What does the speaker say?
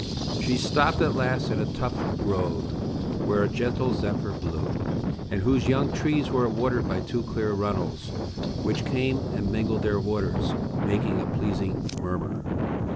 She stopped at last in a tufted grove, where a gentle zephyr blew, and whose young trees were watered by two clear runnels, which came and mingled their waters, making a pleasing murmur.